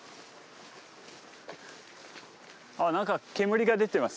あっ何か煙が出てます。